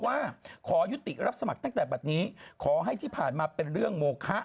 ว่าขอยุติรับสมัครตั้งแต่บัตรนี้ขอให้ที่ผ่านมาเป็นเรื่องโมคะ